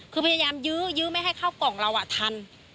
คือพยายามยื้อยื้อไม่ให้เข้ากล่องเราทัน